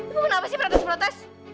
itu kenapa sih protes protes